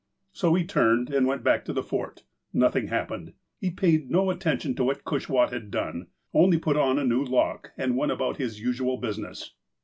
So he turned, and went back to the Fort. Nothing happened. He paid no attention to what Cushwaht had done. Only put on a new lock, and went about his usual business.